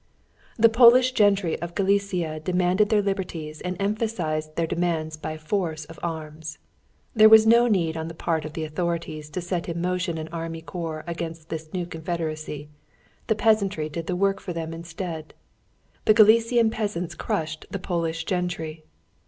The Polish gentry of Galicia demanded their liberties, and emphasized their demands by force of arms. There was no need on the part of the authorities to set in motion an army corps against this new confederacy, the peasantry did the work for them instead. The Galician peasants crushed the Polish gentry.